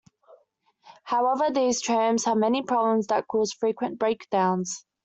However, these trams had many problems that caused frequent breakdowns.